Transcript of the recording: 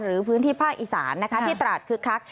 หรือพื้นที่ภาคอีสานนะคะที่ตราดคึกคัก